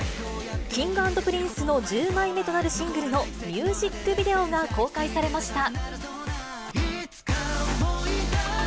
Ｋｉｎｇ＆Ｐｒｉｎｃｅの１０枚目となるシングルのミュージックビデオが公開されました。